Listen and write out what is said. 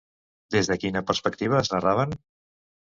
Des de quina perspectiva es narraven?